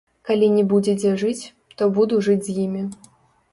Калі не будзе дзе жыць, то буду жыць з імі.